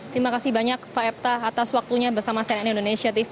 terima kasih banyak pak epta atas waktunya bersama cnn indonesia tv